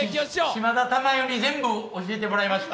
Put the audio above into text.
島田珠代に全部教えてもらいました。